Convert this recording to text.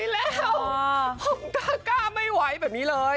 แล้วผมกล้าไม่ไหวแบบนี้เลย